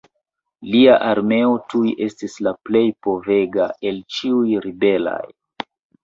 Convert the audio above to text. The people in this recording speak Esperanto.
Lia armeo tuj estis la plej povega el ĉiuj ribelaj.